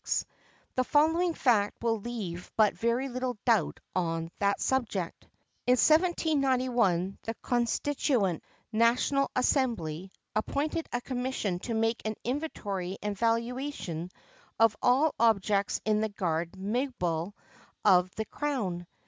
[XXVII 39] The following fact will leave but very little doubt on that subject: In 1791, the Constituent National Assembly, appointed a commission to make an inventory and valuation of all objects in the Garde Meuble of the crown.